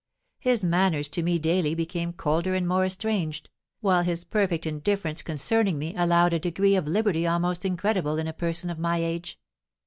His manners to me daily became colder and more estranged, while his perfect indifference concerning me allowed a degree of liberty almost incredible in a person of my age.